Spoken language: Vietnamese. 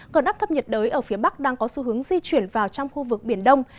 còn áp thấp nhiệt đới ở phía bắc đang có xu hướng di chuyển vào trong khu vực biển đông